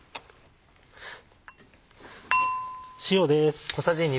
塩です。